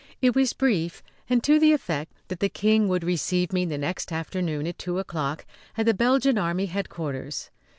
It was brief and to the effect that the King would receive me the next afternoon at two o'clock at the Belgian Army headquarters.